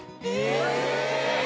え！